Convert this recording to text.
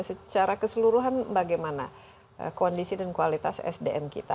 secara keseluruhan bagaimana kondisi dan kualitas sdm kita